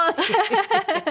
ハハハハ。